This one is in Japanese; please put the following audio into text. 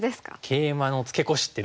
「ケイマのツケコシ」ってね